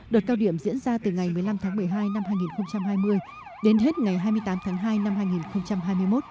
đợt cao điểm diễn ra từ ngày một mươi năm tháng một mươi hai năm hai nghìn hai mươi đến hết ngày hai mươi tám tháng hai năm hai nghìn hai mươi một